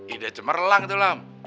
ide cemerlang itu lam